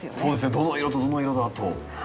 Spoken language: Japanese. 「どの色とどの色だ？」と。